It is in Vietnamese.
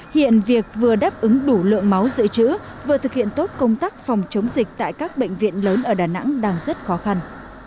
hiện việc vừa đáp ứng đủ lượng máu dự trữ vừa thực hiện tốt công tác phòng chống dịch tại các bệnh viện lớn ở đà nẵng đang rất khó khăn